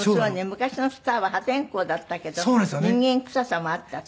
昔のスターは破天荒だったけど人間くささもあったって。